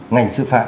ngành sư phạm